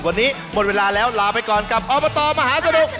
วันนี้หมดเวลาแล้วลาไปก่อนกับอบตมหาสนุก